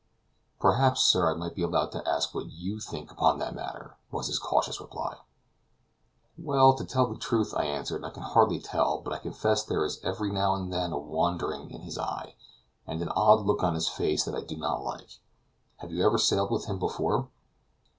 "Perhaps, sir, I might be allowed to ask what YOU think upon that matter," was his cautious reply. "Well, to say the truth," I answered. "I can hardly tell; but I confess there is every now and then a wandering in his eye, and an odd look on his face that I do not like. Have you ever sailed with him before?"